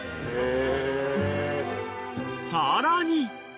［さらに］